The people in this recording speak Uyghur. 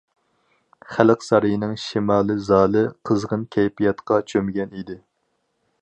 خەلق سارىيىنىڭ شىمالىي زالى قىزغىن كەيپىياتقا چۆمگەن ئىدى.